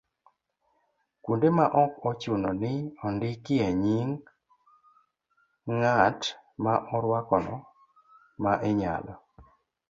Kuonde ma ok ochuno ni ondikie nying' ng'at ma orwakono, ma inyalo